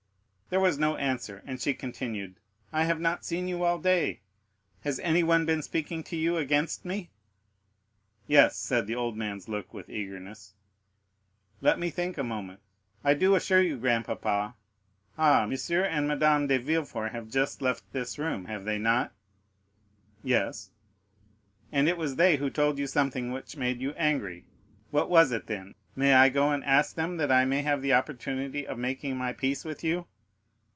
There was no answer, and she continued: "I have not seen you all day. Has anyone been speaking to you against me?" "Yes," said the old man's look, with eagerness. "Let me think a moment. I do assure you, grandpapa—Ah—M. and Madame de Villefort have just left this room, have they not?" "Yes." "And it was they who told you something which made you angry? What was it then? May I go and ask them, that I may have the opportunity of making my peace with you?"